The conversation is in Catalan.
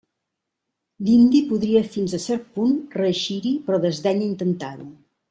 L'indi podria fins a cert punt reeixir-hi, però desdenya intentar-ho.